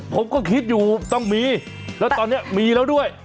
ผมก็คิดอยู่ต้องมีแล้วตอนนี้มีแล้วด้วย